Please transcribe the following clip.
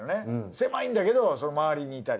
狭いんだけどそのまわりにいたり。